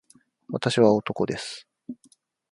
私は男です